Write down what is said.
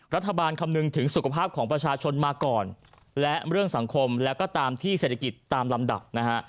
คำนึงถึงสุขภาพของประชาชนมาก่อนและเรื่องสังคมแล้วก็ตามที่เศรษฐกิจตามลำดับนะฮะ